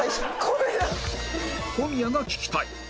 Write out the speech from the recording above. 小宮が聞きたい